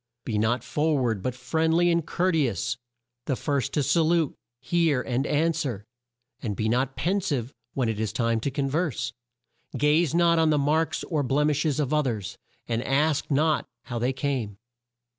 "Be not for ward, but friendly and court e ous; the first to sa lute, hear, and an swer; and be not pen sive when it is time to con verse. "Gaze not on the marks or blem ish es of o thers, and ask not how they came.